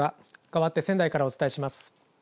かわって仙台からお伝えします。